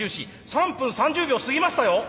３分３０秒過ぎましたよ？